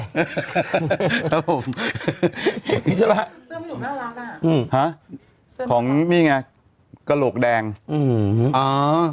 ครับผมนี่ใช่ปะเสื้อไม่ถูกน่ารักนะอืมฮะของนี่ไงกะโหลกแดงอืม